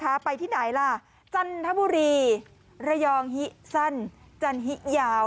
ไปที่ไหนล่ะจันทบุรีระยองฮิสั้นจันฮิยาว